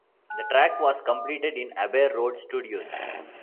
The track was completed in Abbey Road Studios.